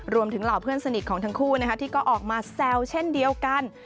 เหล่าเพื่อนสนิทของทั้งคู่ที่ก็ออกมาแซวเช่นเดียวกัน